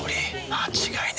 間違いねえ。